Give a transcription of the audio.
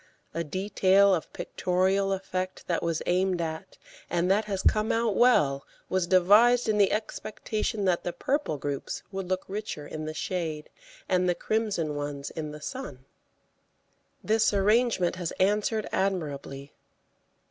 A detail of pictorial effect that was aimed at, and that has come out well, was devised in the expectation that the purple groups would look richer in the shade, and the crimson ones in the sun. This arrangement has answered admirably.